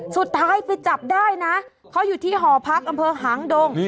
สุดท้ายไปจับได้นะเขาอยู่ที่หอพักอำเภอหางดง